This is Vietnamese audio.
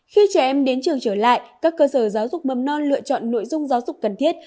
khi trẻ em đến trường trở lại các cơ sở giáo dục mầm non lựa chọn nội dung giáo dục cần thiết